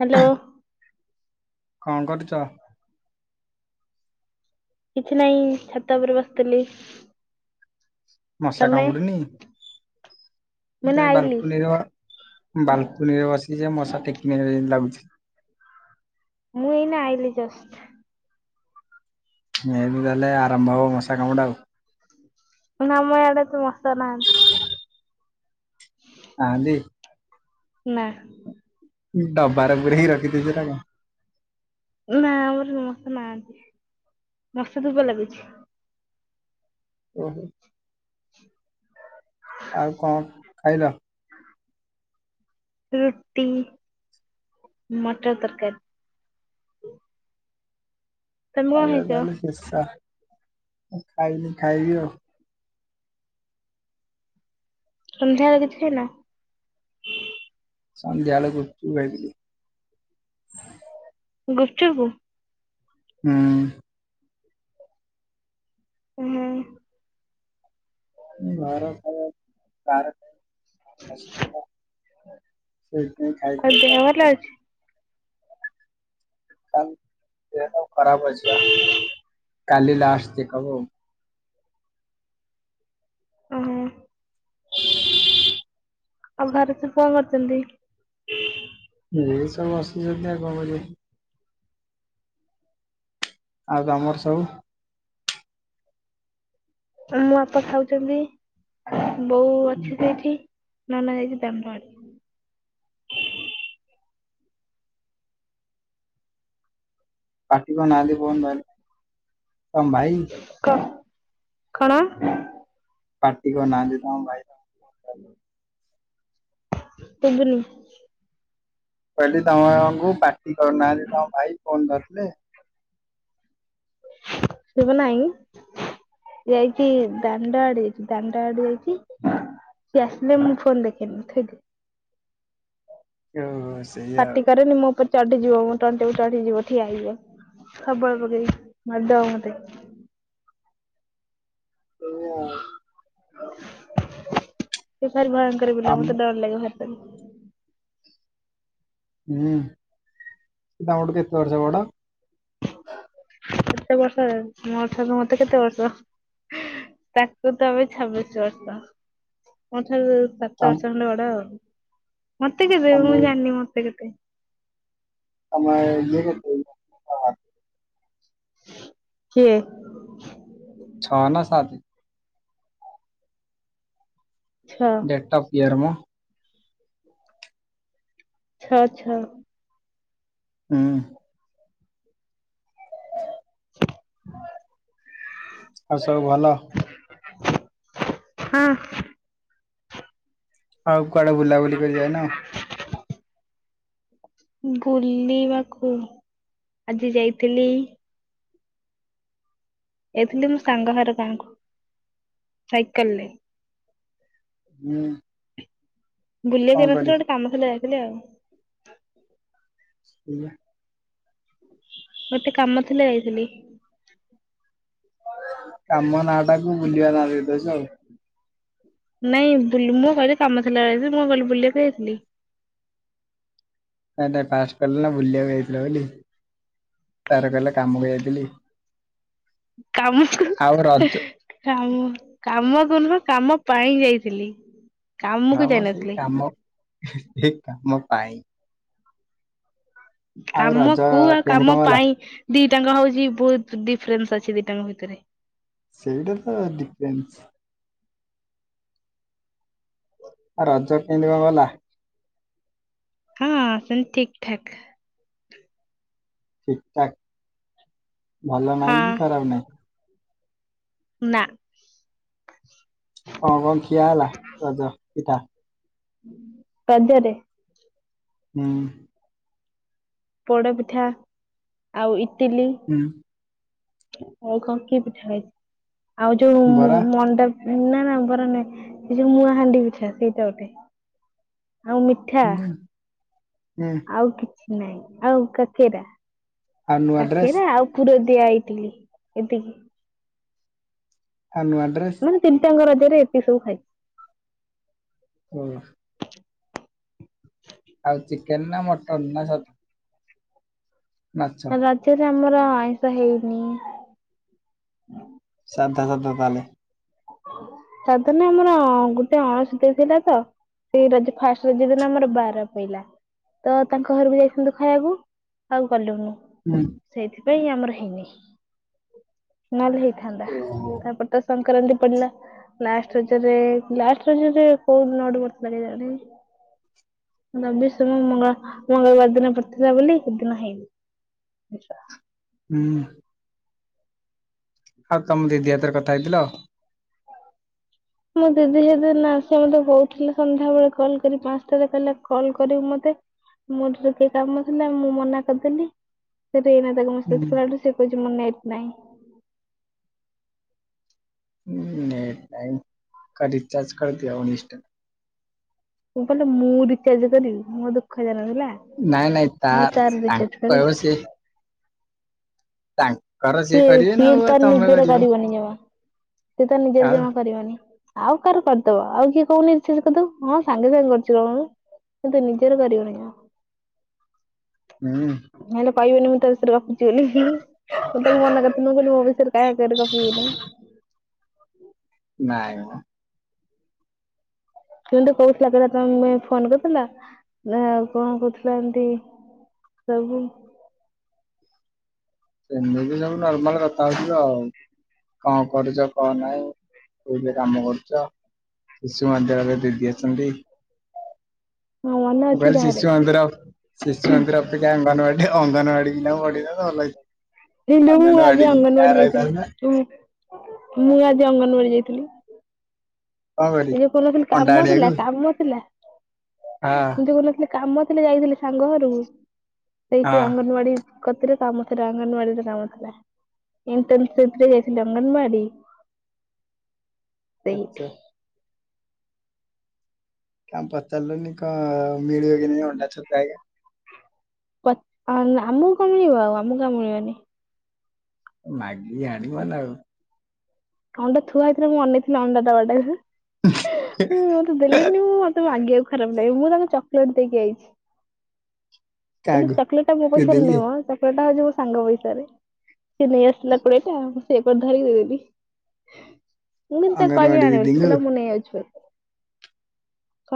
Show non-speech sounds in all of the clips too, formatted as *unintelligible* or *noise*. Hello କଣ କରୁଚ। କିଛି ନାହିଁ ଛାତ ଉପରେ ବସିଥିଲି। ମଶା ତମେ କାମୁଡୁନି ମୁଁ ମୁଁ ଏଇନା ତ ଏ ଆଇଲି ବାଲକୁନିର ବାଲକୁନିରେ ବସିଛି ମଶା ଟେକି ନେବେ ଜେମିତି ଲାଗୁଛି। ମୁଁ ଏଇନା ଆଇଲି ଜଷ୍ଟ। ମେ ବି ଦେଲେ ଆରମ୍ଭ ହବ ମଶା କାମୁଡ଼ା ଆଉ। ନା ମ ଇଆଡେ ଏତେ ମଶା ନାହାନ୍ତି। ନାହାନ୍ତି? ନାଁ। ଡବାର ପୁରେଇ କି ରଖିଦେଇଛ ନାଁ କଣ? ନା ଆମର ମଶା ନାହାନ୍ତି ମଶା ଧୂପ ଲଗେଇଛି। ଓହୋ। ଆଉ କଣ ଖାଇଲ। ରୁଟି ମଟର ତରକାରୀ। ତମେ କଣ ଖାଇବା ଖାଇଛ ଟା ହେଲା ପେଶା ଖାଇନି ଖାଇବି ଆଉ। ସନ୍ଧ୍ୟା ବେଳେ କିଛି ଖାଇନ? ସନ୍ଧ୍ୟା ବେଳେ ଗୁପ୍ ଚୁପ୍ ଖାଇଥିଲୁ। ଗୁପ୍ ଚୁପ୍? ହୁଁ। ହୁଁ। *unintelligible* ସେ ଖାଇ ଖାଇ ଆଉ କା ଦେହ ଭଲ ଅଛି? ଦେହ ଟା ଖରାପ ଅଛିିପା କାଲି ଲାଷ୍ଟ ଚେକ୍ ହବ ଆଉ। ଓହୋ। ଆଉ ଘରେ ସବୁ କଣ କରୁଛନ୍ତି? ଏ ସବୁ ବସିଛନ୍ତି ଆଉ କଣ କରିବେ। ଆଉ ତମର ସବୁ? ମୋ ବାପା ଖାଉଛନ୍ତି, ବୋଉ ଅଛି ସେଇଠି, ନନା ଯାଇଛି ଦାଣ୍ଡ ଆଡେ। ପାଟି କରୁନାହାନ୍ତି ଫୋନ୍ ଧରିଲେ, ତମ ଭାଇ? କ କଣ? ପାଟି କରୁନାହାନ୍ତି ତମ ଭାଇ? ଶୁଭୁନି। ମୁଁ କହିଲି ତମମାନଙ୍କୁ ପାଟି କରୁନାହାନ୍ତି ତମ ଭାଇ ଫୋନ ଧରିଲେ? ଶୁଭୁନାହିଁ। ଯାଇଛି ଦାଣ୍ଡ ଆଡେ ଦାଣ୍ଡ ଆଡେ ଯାଇଛି। ସିଏ ଆସିଲେ ମୁଁ ଫୋନ୍ ଦେଖେନି ଥୋଇ *inaudible* ପାଟି କରେନି ମୋ ଉପରେ। ଚଢିଯିବ ମୋ ତଣ୍ଟି ଉପରେ ଚଢିଯିବ ଠିଆ ହେଇଯିବ। ଶାବଳ ପକେଇକି ମାରିଦବ ମତେ। ସେଇଆ ଆଉ। ସେ ଭାରି ଭୟଙ୍କର ପିଲା ଆମେ ମତେ ଡର ଲାଗେ ଭାରି ତାକୁ। ହୁଁ ସେ ତମଠୁ କେତେ ବର୍ଷ ବଡ? କେତେ ବର୍ଷ ମୋ ଠାରୁ ମତେ କେତେ ବର୍ଷ? ତାକୁ ତ ଏବେ ଛବିଶ ବର୍ଷ। ମୋଠାରୁ ସାତ ତମ ବର୍ଷ ଖଣ୍ଡେ ବଡ ଆଉ। ମତେ କେତେ ମୁଁ ତମ ଜାଣିନି ମତେ କେତେ? ସମୟ କିଏ? ଛଅ ନା ସାତେ? ଛଅ। ଡେଟ ଅଫ୍ ଇୟର ମ। ଛଅ ଛଅ। ହଁ। *unintelligible* ଆଉ ସବୁ ଭଲ? ହଁ। ଆଉ କୁଆଡେ ବୁଲାବୁଲି କରି ଯାଇନ? ବୁଲିବାକୁ ଆଜି ଯାଇଥିଲି। ଯାଇଥିଲି ମୋ ସାଙ୍ଗ ଘର ଗାଁକୁ, ସାଇକେଲରେ ହୁଁ। କଣ ବୁଲିବାକୁ ନଥିଲା ଗୋଟେ କରିବି କାମ ଥିଲା ଯାଇଥିଲି ଆଉ। କୋଉ ଗାଁ *inaudible* ଗୋଟେ କାମ ଥିଲା ଯାଇଥିଲି। କାମ ନାଁ ଟାକୁ ବୁଲିବା ନା ଦେଇଦେଉଛ ଆଉ। ନାଇଁ ବୁଲି ମୁଁ କହିଲି କାମ ଥିଲା ଯାଇଥିଲି ମୁଁ କହିଲି ବୁଲିବାକୁ ଯଇଥିଲି। ନାହିଁ ନାହିଁ ଫାଷ୍ଟ କହିଲ ନା ବୁଲିବାକୁ ଯାଇଥିଲ ବୋଲି ତାପରେ କହିଲ କାମକୁ ଯାଇଥିଲି। କାମ କୁ। ଆଉ ରଜ କାମ କାମ ତ ନୁହଁ କାମ ପାଇଁ ଯାଇଥିଲି କାମକୁ ଯାଇନଥିଲି। ହେଇ କାମ ପାଇଁ। ଆଉ କାମ ରଜ କୁ ଆଉ କେମିତି କାମ କଣ ଗଲା? ପାଇଁ ଦି ଟାଙ୍କ ହଉଛି ବହୁତ ଡିଫରେନ୍ସ ଅଛି ଦିଟାଙ୍କ ଭିତରେ। ସେଇଟା ତ ଡିଫରେନ୍ସ। ଆଉ ରଜ କେମିତି କଣ ଗଲା। ହଁ ସେମିତି ଠିକ ଠାକ୍। ଠିକଠାକ୍ ଭଲ ନାହିଁ କି ହଁ ଖରାପ ନାହିଁ। ନାଁ। ହଁ କଣ ଖିଆ ହେଲା ରଜ ପିଠା। ହୁ *unintelligible* ରଜରେ। ହୁଁ। ପୋଡପିଠା ଆଉ ଇଟିଲି। ହୁଁ ଆଉ କଣ କି ପିଠା ଖାଇଛ ଆଉ ଯୋଉ। ବରା। ଅଣ୍ଡା ନାଁ ନାଁ ବରା ନୁହେଁ ସେ ଯୋଉ ମୁୂଆଁ ହାଣ୍ଡି ପିଛା ସେଇଟା ଗୋଟେ। ଆଉ ମି। ହୁଁ ହୁଁ। ଆଉ କିଛି ନାହିଁ ଆଉ କାକେରା ଆଉ ନୂଆ ଡ୍ରେସ କାକେରା ଆଉ। ପୁର ଦିଆ ଇଟିଲି ଏତିକି। ଆଉ ନୂଆ ଡ୍ରେସ। ମାନେ ତିନିଟାଙ୍କ ରଜରେ ଏତିକି ସବୁ ଖାଇ। କଣ ହେଲା। ଆଉ ଚିକେନ ନା ମଟନ୍ ନା ଛତୁ। ରାଜ୍ୟରେ ଆମର ଆଇଁଷ ହେଇନି। ହଁ *inaudible* ସାଧା ସାଧା ତାହେଲେ। ସାଧା ନାହିଁ ଆମର ଗୋଟେ ଅଣସୁଧୀଆ ଥିଲା ତ। ସେଇ ରଜ ଫାଷ୍ଟ ରଜଦିନ ଆମର ବାର ପଇଲା। ତ ତାଙ୍କ ଘରକୁ ଯାଇଥାନ୍ତୁ ଖାଇବାକୁ ଆଉ ଗଲୁନି। ହୁଁ। ସେଇଥିପାଇଁ ଆମର ହେଇନି ନହଲେ ହେଇଥାନ୍ତା ଓହୋ ତାପରେ ତ ସଂକ୍ରାନ୍ତି। ପଡିଲା ଲାଷ୍ଟ ରଜରେ ଲାଷ୍ଟ ରଜରେ କୋଉଦିନ ଗୋଟେ ପଡିଥିଲା କେଜାଣି। ରବି ସୋମ ମଙ୍ଗଳ ମଙ୍ଗଳବାର ଦିନ ପଡିଥିଲା ବୋଲି ସେଦିନ ହେଇନି। ଆଛା। ହୁଁ। ଆଉ ତମ ଦିଦି ହାତରେ କଥା ହେଇଥିଲ ଆଉ। ମୋ ଦିଦି ହେଦିନ ସେ ମତେ କହୁଥିଲେ ସନ୍ଧ୍ୟାବେେଳେ କଲ୍ କରି ପାଞ୍ଚଟାରେ କହିଲା କଲ୍ କରିବୁ ମତେ। ମୋର ଟିକେ କାମଥିଲା ମୁଁ ମନା କରିଦେଲି ସିଏ ଏଇନା ତାକୁ ମେସେଜ୍ ହୁଁ କଲାଠୁ ସିଏ କହୁଚି ମୋର ନେଟ୍ ନାହିଁ ହଁ ନେଟ୍ ନାଇଁ କଅ ରିଚାର୍ଜ କରଦିଅ ଉଣେଇଶି ଟଙ୍କା କଣ କହିଲେ ମୁଁ ରିଚାର୍ଜ କରିବି ମୋ ଦୁଃଖ ଜାର ହେଲା ନାଇଁ ନାଇଁ ତା ତାଙ୍କୁ କହିବ ସେ ତାଙ୍କ ସିଏ ସିଏ ତାର ନିଜର କରିବନି ଜମା ସିଏ ତ ନିଜର ଆଉ ଜମା କରିବନି ଆଉ କାହାର କରିଦବ ଆଉ କିଏ କହୁନି ରିଚାର୍ଜ କରିଦଉ ହଁ ସାଙ୍ଗେ ସାଙ୍ଗେ କରିଦବ ମ କିନ୍ତୁ ନିଜର କରିବନି। *unintelligible* ହୁଁ ନହେଲେ କହିବନି ମୁଁ ତା ସାଙ୍ଗରେ ଗପୁଛି ବୋଲି ମୁଁ ତାକୁ ମନା କରିଥିଲି କହଲି ମୋ ବିଷୟରେ କାହା ଆଗରେ ଗପିବୁଣି ନାଇଁ ମ କିନ୍ତୁ କହୁଥିଲା କ ତମେ ଫୋନ୍ କରିଥିଲା ଆଉ କଣ କହୁଥିଲା ଏମତି ସବୁ ସେମିତି ବି ଯୋଉ ନର୍ମାଲ କଥା ହଉଥୁଲ ଆଉ କଣ କରୁଚ କଣ ନାହିଁ ଏ ବି କାମ କରୁଚ। ଶିଶୁମନ୍ଦିରରେ ଦିଦି ଅଛନ୍ତି। ହଁ ମନେ ମୁଁ ଅଛି କହିଲି ତାହେଲେ ଶିଶୁମନ୍ଦିର ଶିଶୁମନ୍ଦିର ଅପେକ୍ଷା ଅଙ୍ଗନୱାଡ଼ି ଅଙ୍ଗନୱାଡି କିନା *unintelligible* ଇଲୋ ମୁଁ ଆଜି ଅଙ୍ଗନୱାଡି ରହିଥାନ୍ତା ଯାଇଥିଲି ମୁଁ ଆଜି ଅଙ୍ଗନୱାଡି ଯାଇଥିଲି। କଣ କରିବି ଏବେ କହୁନଥିଲି ଅଣ୍ଡା କାମ ଆଣିବାକୁ ଥିଲା କାମ ଥିଲା ହଁ ମୁଁ ଯୋଉ କହୁନଥିଲି କାମ ଥିଲା ଯାଇଥିଲି ସାଙ୍ଗ ଘରକୁ ସେଇ ହଁ ସେଇ ଅଙ୍ଗନୱାଡ଼ି କତିରେ କାମ ଥିଲା ଅଙ୍ଗନୱାଡ଼ିରେ କାମ ଥିଲା। ଇଣ୍ଟେନ୍ ସିପରେ ଯାଇଥିଲି ଅଙ୍ଗନୱାଡ଼ି। *unintelligible* ସେଇଠି ଆଚ୍ଛା ପଚାରୁଲୁନି କଣ ମିଳିବ କି ନାହିଁ ଅଣ୍ଡା ଛତୁଆ ଆଜ୍ଞା? ପ ଆମକୁ କଣ ମିଳିବ ଆଉ ଆମକୁ ଆଉ ମିଳିବନି। ମାଗି ଆଣିିବ ନା ଆଉ ଅଣ୍ଡା ଥୁଆ ହେଇଥିଲା ମୁଁ ଅନେଇଥିଲି ଅଣ୍ଡା ଡବାଟାକୁ। *unintelligible* ଦେଲେନି ମୁଁ ମତେ ମାଗିଆକୁ ଖରାପ ଲାଗେ ମୁଁ ତାକୁ ଚକଲେଟ୍ ଦେଇକି ଆଇଚି। କିନ୍ତୁ, କାହାକୁ ଚକଲେଟ୍ ମୋ ପଇସାରେ ଦିଦିଙ୍କି ନୁହଁ ମ ସେଇଟା ହଉଚି ମୋ ସାଙ୍ଗ ପଇସାରେ ସେ ନେଇଆସିଲା କୋଡିଏଟା ମୁଁ ସେଇଟାକୁ ଧରିକି ଦେଇଦେଲି। ମୁଁ କେମିତି ତାକୁ କହିବି ଅଙ୍ଗନବାଡି ଆଣିଆକୁ ସିଏ ଦିଦିଙ୍କୁ କହିଲା ମୁଁ ନେଇଆଉଚି ପଇସାରେ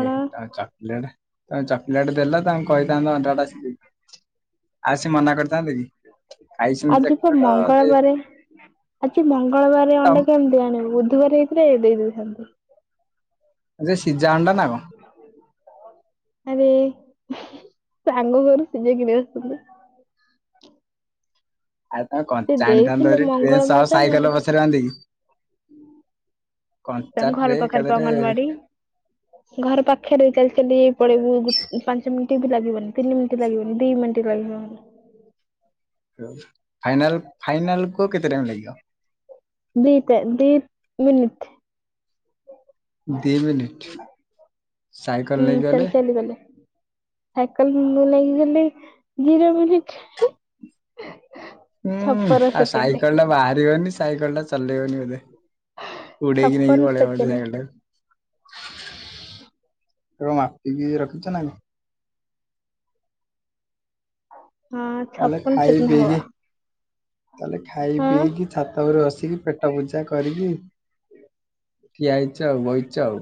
ହୁଁ ଆଉ ଚକଲେଟ୍ ତମେ ଚକଲେଟ୍ ଦେଲ ତାଙ୍କୁ କହିଥାନ୍ତ ଅଣ୍ଡା ସିଝେଇକି ଆଉ ସିଏ ମନା କରିଥାନ୍ତେ କି ଖାଇଛନ୍ତି ଆଜି ତ ଚକିଲେଟ ମଙ୍ଗଳବାରେ। ଦେଇଥାନ୍ତେ ଆଜି ମଙ୍ଗଳବାରେ ତମ ଅଣ୍ଡା କେମିତି ଆଣିବୁ ବୁଧବାର ହେଇଥିଲେ ଦେଇଦେଇଥାନ୍ତେ। ନା ସିଝା ଅଣ୍ଡା ନା କଣ? ଆରେ ସାଙ୍ଗ ଘରୁ ସିଝେଇକି ନେଇ ଆସିଥିଲୁ। ଆରେ ତମେ ସେ କଞ୍ଚା ଆଣିଥାନ୍ତ ଦେଇଥିଲେ ଟ୍ରେନ ମଙ୍ଗଳବାର ସହ ଟା ମୁଁ ସାଇକେଲରେ ପଛରେ ବାନ୍ଧିକି କି *unintelligible* ତାଙ୍କ ଟ୍ରେ ଘର ପାଖରେ ବା ଏକାଥରେ ଅଙ୍ଗନୱାଡ଼ି। ଘର ପାଖରେ ଚାଲି ଚାଲି ପଳେଇବୁ ଗୋଟେ ପାଞ୍ଚ ମିନିଟ୍ ବି ଲାଗିବନି ତିନି ମିନିଟ୍ ଲାଗିବନି ଦିଇ ମିନଟ୍ କଇବ ଫାଇନାଲ ଫାଇନାଲ କୁହ କେତେ ଟାଇମ୍ ଲାଗିବ? ଦୀ ଟା ଦି ମିିନିିଟ୍। ଦିଇ ମିନିଟ୍ ହୁଁ ଚାଲି ଚାଲି ଗଲେ। ସାଇକଲ ମୁଣ୍ଡ *unintelligible* ଲାଗିଗଲେ ଘିର ବିରି ଖାଏ ହୁଁ ଆଉ ସାଇକଲ ଟା ବାହାରିିବବନି ସାଇକଲ ଟା ଚଲେଇ ବନି ବୋଧେ। ଉଡେଇକି ନେଇ ଛପନ ପଲଇବୋଧେ ସେକେଣ୍ଡ। ସାଇକଲଟା ତ ମାପିକି ରଖିଚ ନା? ହଁ ତାହେଲେ ଛପନ ଖାଇ ସେକେଣ୍ଡ ହବ ପିଇକି, ତାହେଲେ ଖାଇ ହଁ ପିଇକି ଛାତ ଉପରେ ଆସିକି ପେଟ ପୂଜା କରିକି ଠିଆଇଛ ଆଉ ବହିଛ ଆଉ।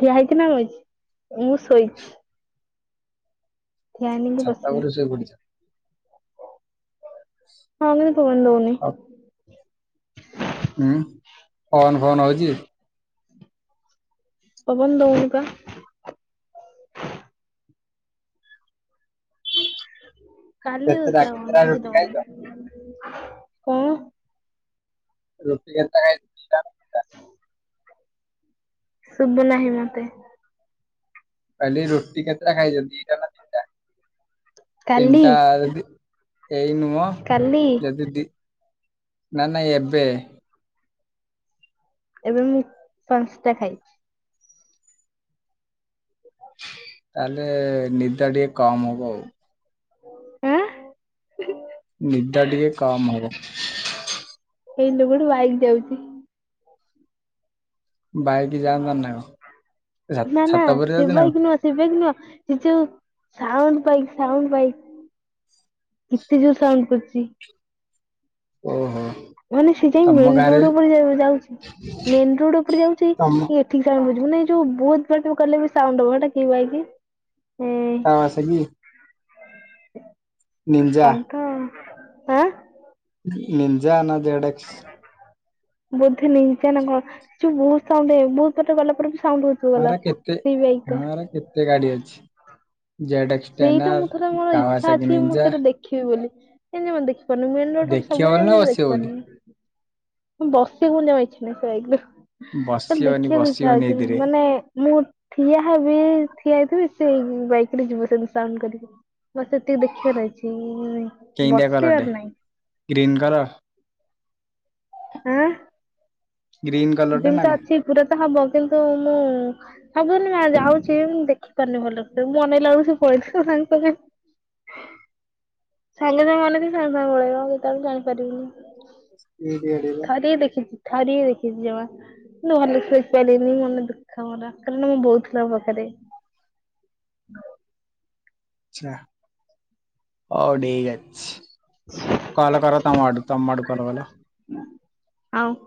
ଠିଆ ହେଇଚି ନା ବଇଚି ମୁଁ ଶୋଇଚି। ଛା ହେଇନି କି ଛାତ ବସିନି ଉପରେ ଶୋଇ ପଡ଼ିଚୀ। ହଁ ଗୋଟେ ଫୋନ୍ ଦଉନି। ଉୁଁ ଫୋନ୍ ଫୋନ୍ ହଉଚି। ପବନ ଦଉନିପା। କାଲି କେତେଟା ହୋଉଥିଲା ପବନ୍ କେତେଟା ଆଜି ରୁଟି ଦଉନି। ଖାଇଛ କଣ ରୁଟିି ଚାଟା ଆଣେ ଖାଇବା। ଶୁଭୁ ନାହିଁ ମୋତେ। ଆଜି ରୁଟି କେତେଟା ଖାଇଛନ୍ତି ଦିଟା ନା ତିନିଟା କାଲି ତିନିଟା ଯି ଏଇ ନୁହଁ କାଲି ଯଦି ଦି ନା ନା ଏବେ ଏବେ ମୁଁ ପାଞ୍ଚଟା ଖାଇଚି। ତାହେଲେ ନିଦ ଟିକେ କମ ହବ ଆଉ। ଆଁ ନିଦା ଟିକେ କମ୍ ହବ। ହେଇଲୋ କଉଠୁ ବାଇକ୍ ଯାଉଚି। ବାଇକ୍ ଯାନ୍ତାନିନା କଣ। ନା ନା ଛାତ ଉପରେ ସେ ଯାଉଛ ନା ବାଇକ୍ ନୁହଁ ସେ ବାଇକ୍ ନୁହଁ ସେ ଯଉ ସାଉଣ୍ଡ ପାଇକ ସାଉଣ୍ଡ ପାଇକ। କେତେ ଜୋର୍ ସାଉଣ୍ଡ କରୁଚି। ଓହୋ। ମାନେ ସେ ଯାଇ ତମ ମେନ୍ ଗାଁରେ ରୋଡ ଉପରେ ଯାଉ ଯାଉଚି ମେନ ରୋଡ ଉପରେ ଯାଉଚି ତମ ଇ ଠିକ୍ ସାରା ବୁଝୁନି ଯୋଉ ବହୁତ୍ବ ବାଟ ଗଲେବି ସାଉଣ୍ଡ ହୁଏ ହେଟା କି ବାଇକି? ହ ସି *unintelligible* ନିଞ୍ଜା କନ୍ତ ଆଁ ନିଞା ନା ଜେଡେକ୍ସ ବୋଧେ ନିଞା ନା କଣ। ସେ ବହୁତ ସାଉଣ୍ଡ ସେ ବହୁତ ବାଟ ଗଲା ପରେ ବି ସାଉଣ୍ଡ ହ ଆମର କେତେ ଆମର କେତେ ଗାଡି ଅଛି। ଜେଡ ଏକ୍ସ ସେଇଟା ମୁଁ ଥରେ ଟେନାର ମୋର ଇଚ୍ଛା କାୱାସାକୀ ଅଛି ମୁଁ ନିଞା। ସେଇଟା ଦେଖିବି ବୋଲି କେମତି ମତେ ଦେଖପାରୁନୁ। ମେନ ରୋଡ଼ରୁ ଦେଖିବ ସବୁବେଳେ ବୋଲି ଯାଉଛି ନା କିନ୍ତୁ ବସିବ ବୋଲି? ଦେଖିପାରୁନି। ମୁ ବସିବି ବୋଲି *unintelligible* ଇଛି ନା ସେ ବାଇକୁ ତାଲେ ବସିବନି ଦେଖିବାକୁ ଇଚ୍ଛା ବସିବନି ହଉଛି ଏଇଥିରେ ମାନେ ମୁଁ ଠିଆ ହେବି ଠିଆ ହେଇଥିବି ସେଇ ବାଇକରେ ଯିବ ସେମତି ସାଉଣ୍ଡ କରିକି। ମତେ ସେତିକି ଦେଖିବାର ଅଛି। କେମିତିଆ କଲର ବସିବାର ଟେ ନାହିଁ ଗ୍ରୀନ୍ କଲର? ଆଁ? ଗ୍ରୀନ୍ କଲରଟେ ନା ଯେମିତି କଣ? ଅଛି ପୁରା ତ ହବ କିନ୍ତୁ ମୁଁ ସବୁଦିନିପା ଯାଉଛି। ମୁଁ ଦେଖିପାରୁନି ଭଲ ସେ। ମୁ ଅନେଇଲା ବେଳକୁ ପଳେଥିବେ ସାଙ୍ଗ ସାଙ୍ଗେ ସାଙ୍ଗେ ସାଙ୍ଗେ ଅନେଇଥିବୁ ସାଙ୍ଗେ ସାଙ୍ଗେ ପଳେଇବ ଆଉ କେତୋବେଳେ ଜାଣିପାରିବିନି। ଇଟ ଏଡ଼େଇଲ। ଥରିଏ ଦେଖିଚି ଥରିଏ ଦେଖିଚି ଜମା। ମୁୁ ଭଲ ଶୁଆଇ ପାରିଲିନି ମନ ଦୁଃଖ ମୋର କାରଣ ମୁଁ ବହୁତ ଲଭ କରେ। ଆଚ୍ଛା ହଉ ଡିକ ଅଛି। କଲ କର ତମ ଆଡୁ, ତମ ଆଡୁ କଲ କଲ। ନାଁ ଆଉ।